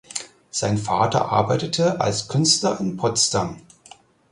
Sein Vater arbeitete als Künstler in Potsdam.